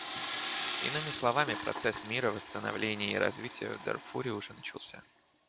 Иными словами, процесс мира, восстановления и развития в Дарфуре уже начался.